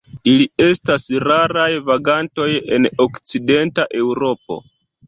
Ili estas raraj vagantoj en Okcidenta Eŭropo.